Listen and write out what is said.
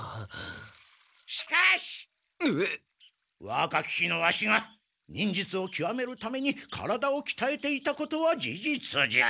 わかき日のワシが忍術をきわめるために体をきたえていたことは事実じゃ。